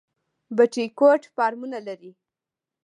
بټي کوټ فارمونه لري؟